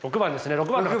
６番の方。